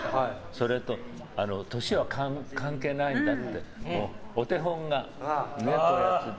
それと、年は関係ないんだってお手本がね、こうやって。